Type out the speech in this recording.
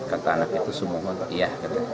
kata anak itu semua iya